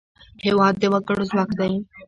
هېواد د وګړو ځواک دی.